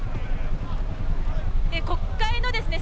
「え国会のですね